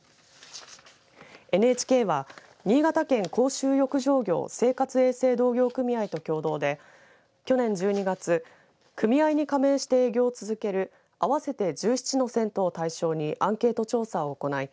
ＮＨＫは新潟県公衆浴場業生活衛生同業組合と共同で去年１２月組合に加盟して営業を続ける合わせて１７の銭湯を対象にアンケート調査を行い